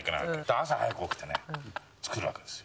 朝早く起きて、作るわけですよ。